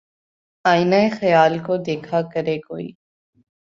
آئینۂ خیال کو دیکھا کرے کوئی